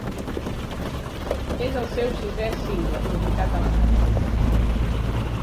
És el seu sisè single publicat a Alemanya.